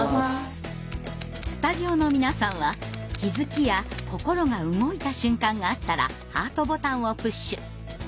スタジオの皆さんは気づきや心が動いた瞬間があったらハートボタンをプッシュ。